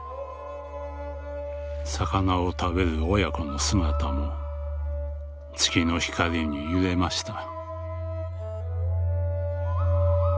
「魚を食べる親子の姿も月の光に揺れました」。